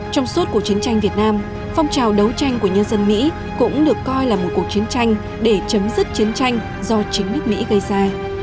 trong suốt cuộc chiến tranh việt nam phong trào đấu tranh của nhân dân mỹ cũng được coi là một cuộc chiến tranh để chấm dứt chiến tranh do chính nước mỹ gây ra